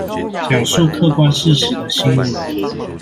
講述客觀事實的新聞